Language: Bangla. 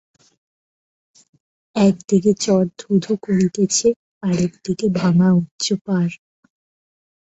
এক দিকে চর ধুধু করিতেছে, আর-এক দিকে ভাঙা উচ্চ পাড়।